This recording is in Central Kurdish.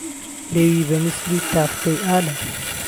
لێوی به میسلی تافتەى ئاله